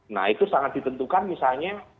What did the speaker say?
nah itu sangat ditentukan misalnya